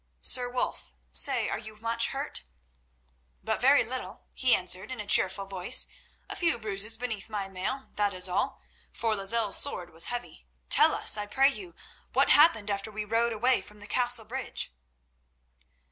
Sir Wulf, say, are you much hurt?" "But very little," he answered in a cheerful voice; "a few bruises beneath my mail—that is all, for Lozelle's sword was heavy. Tell us, I pray you, what happened after we rode away from the castle bridge."